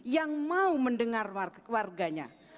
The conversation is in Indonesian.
yang mau mendengar warganya